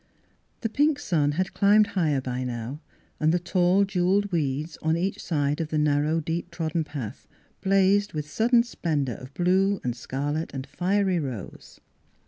The pink sun had climbed higher by now and the tall, jewelled weeds on each side of the narrow, deep trodden path blazed with sudden splendour of blue and scarlet and fiery rose.